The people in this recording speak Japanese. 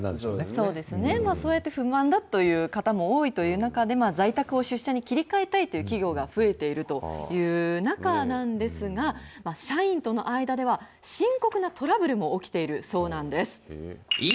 そうですね、そういう不満だという方も多いという中で、在宅を出社に切り替えたいという企業が増えているという中なんですが、社員との間では、深刻なトラブルも起きているそうなんです。